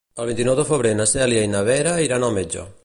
El vint-i-nou de febrer na Cèlia i na Vera aniran al metge.